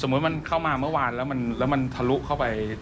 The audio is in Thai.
มันเข้ามาเมื่อวานแล้วมันทะลุเข้าไป